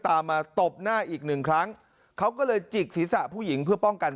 ตามมาตบหน้าอีกหนึ่งครั้งเขาก็เลยจิกศีรษะผู้หญิงเพื่อป้องกัน